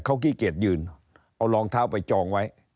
เขาขี้เกียจยืนเอารองเท้าไปจองไว้